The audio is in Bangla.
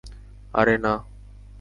আরে, না!